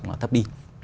nó thấp đi